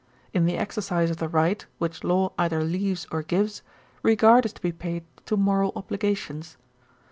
'In the exercise of the right which law either leaves or gives, regard is to be paid to moral obligations.